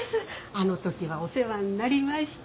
あの時はお世話になりました。